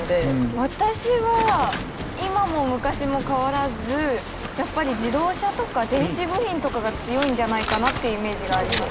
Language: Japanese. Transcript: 私は今も昔も変わらずやっぱり自動車とか電子部品とかが強いんじゃないかなっていうイメージがあります。